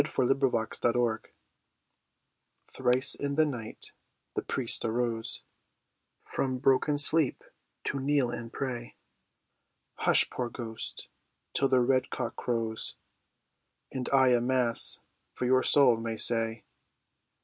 THE PRIEST'S BROTHER Thrice in the night the priest arose From broken sleep to kneel and pray. "Hush, poor ghost, till the red cock crows, And I a Mass for your soul may say."